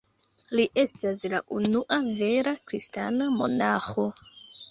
Li estas la unua vera kristana monaĥo.